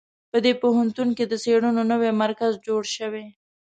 په دې پوهنتون کې د څېړنو نوی مرکز جوړ شوی